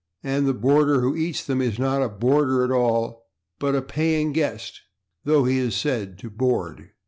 And the boarder who eats them is not a /boarder/ at all, but a /paying guest/, though he is said /to board